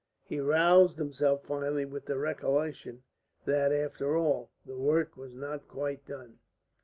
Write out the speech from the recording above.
He roused himself finally with the recollection that, after all, the work was not quite done.